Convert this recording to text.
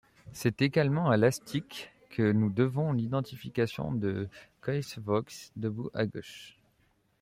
C’est également à Lastic que nous devons l’identification de Coysevox, debout à gauche.